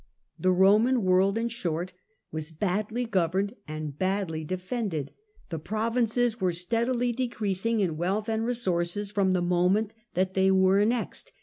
The Roman world, in short, was badly governed and badly defended : the provinces were steadily decreasing in wealth and resources from the moment that they were annexed.